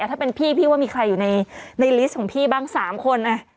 ถ้าเป็นพี่พี่ว่ามีใครอยู่ในลิสต์ของพี่บ้าง๓คน